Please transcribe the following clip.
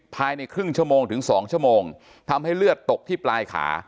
ภายในครึ่งชั่วโมงถึง๒ชั่วโมงทำให้เลือดตกที่ปลายขา